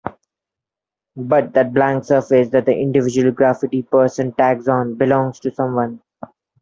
But that blank surface that the individual graffiti person tags on, belongs to someone.